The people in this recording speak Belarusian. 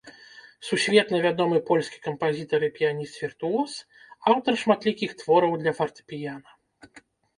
Сусветна вядомы польскі кампазітар і піяніст-віртуоз, аўтар шматлікіх твораў для фартэпіяна.